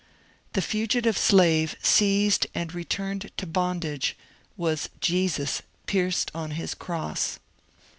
The fugitive slave seized and returned to bondage was Jesus pierced on his cross.